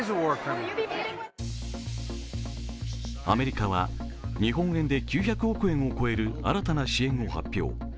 アメリカは日本円で９００億円を超える新たな支援を発表。